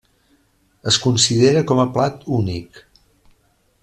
És considerada com a plat únic.